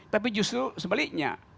tapi justru sebaliknya